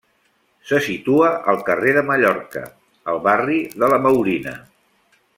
Se situa al carrer de Mallorca, al barri de la Maurina.